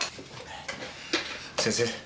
先生